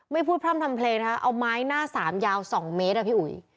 พูดพร่ำทำเพลงนะคะเอาไม้หน้าสามยาว๒เมตรอะพี่อุ๋ย